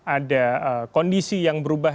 ada kondisi yang berubah